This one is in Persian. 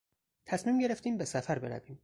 تصمیم گرفتیم به سفر برویم.